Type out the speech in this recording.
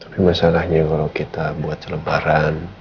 tapi masalahnya kalo kita buat selebaran